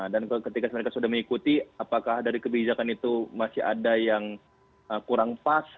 dan ketika mereka sudah mengikuti apakah dari kebijakan itu masih ada yang kurang pas